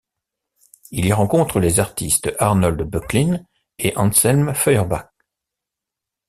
Il y rencontre les artistes Arnold Böcklin et Anselm Feuerbach.